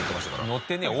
乗ってねえ。